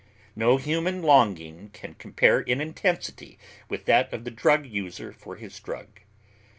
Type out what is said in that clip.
No human longing can compare in intensity with that of the drug user for his drug.